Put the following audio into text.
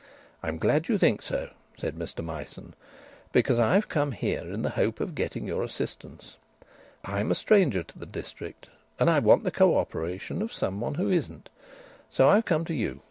"I'm glad you think so," said Mr Myson. "Because I've come here in the hope of getting your assistance. I'm a stranger to the district, and I want the co operation of some one who isn't. So I've come to you.